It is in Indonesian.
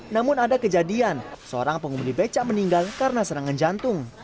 namun ada kejadian seorang pengemudi becak meninggal karena serangan jantung